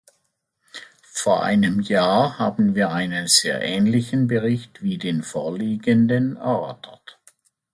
Vor einem Jahr haben wir einen sehr ähnlichen Bericht wie den vorliegenden erörtert.